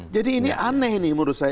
jadi ini aneh nih menurut saya